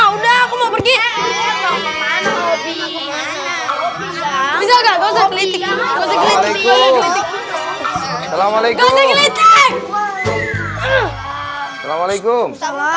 udah aku mau pergi bisa gak gosok letih selama alaikum assalamualaikum